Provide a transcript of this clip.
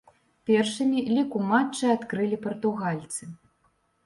Першымі лік у матчы адкрылі партугальцы.